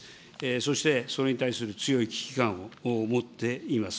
そして、それに対する強い危機感を持っています。